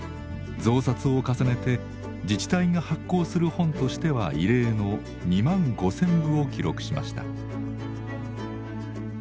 増刷を重ねて自治体が発行する本としては異例の２万５，０００部を記録しました。